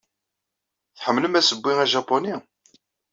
Tḥemmlem assewwi ajapuni?